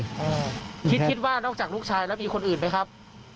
คิดคิดว่านอกจากลูกชายแล้วมีคนอื่นไหมครับ